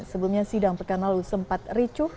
sebelumnya sidang pekan lalu sempat ricuh